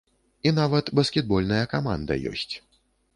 І нават баскетбольная каманда ёсць.